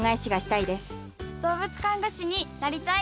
動物看護師になりたい。